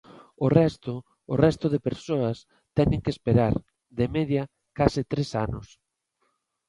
O resto, o resto de persoas, teñen que esperar, de media, case tres anos.